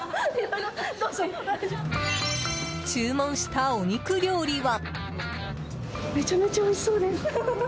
注文したお肉料理は。